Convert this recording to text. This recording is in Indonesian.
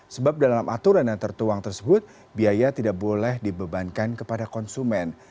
sebab dalam aturan yang tertuang tersebut biaya tidak boleh dibebankan kepada konsumen